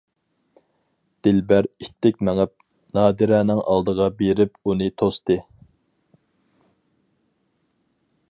دىلبەر ئىتتىك مېڭىپ نادىرەنىڭ ئالدىغا بېرىپ ئۇنى توستى.